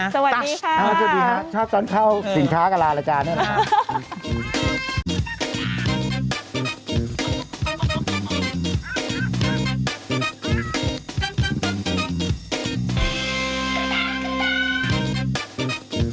สวัสดีค่ะสวัสดีครับชอบตอนเข้าสินค้ากับร้านละจานนั่นแหละค่ะ